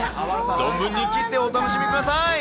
存分に切ってお楽しみください。